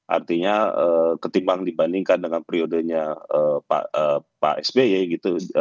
artinya ketimbang dibandingkan dengan periodenya pak sby gitu